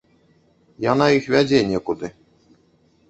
Яна іх вядзе некуды.